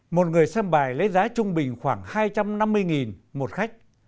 một người xem bài lấy giá trung bình khoảng hai trăm năm mươi một khách